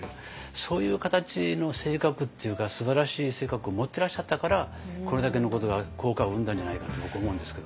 そういう形の性格っていうかすばらしい性格を持ってらっしゃったからこれだけのことが効果を生んだんじゃないかと僕思うんですけど。